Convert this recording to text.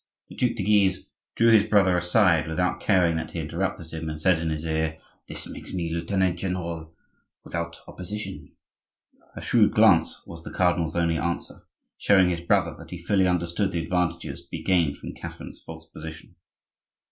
The Duc de Guise drew his brother aside without caring that he interrupted him, and said in his ear, "This makes me lieutenant general without opposition." A shrewd glance was the cardinal's only answer; showing his brother that he fully understood the advantages to be gained from Catherine's false position.